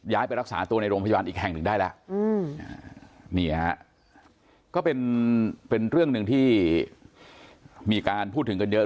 ไปรักษาตัวในโรงพยาบาลอีกแห่งหนึ่งได้แล้วนี่ฮะก็เป็นเรื่องหนึ่งที่มีการพูดถึงกันเยอะ